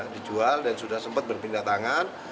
dijual dan sudah sempat berpindah tangan